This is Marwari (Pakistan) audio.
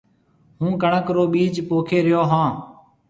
هُون ڪڻڪ رو بِيج پوکي ريو هون۔